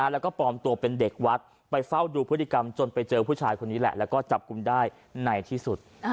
แล้วก็ปลอมตัวเป็นเด็กวัดไปเฝ้าดูพฤติกรรมจนไปเจอผู้ชายคนนี้แหละแล้วก็จับกลุ่มได้ในที่สุด